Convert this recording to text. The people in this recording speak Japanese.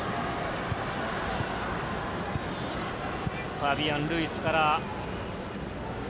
ファビアン・ルイスから。